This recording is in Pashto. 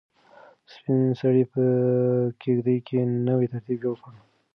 سپین سرې په کيږدۍ کې نوی ترتیب جوړ کړ.